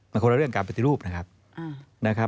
มันคนละเรื่องการปฏิรูปนะครับ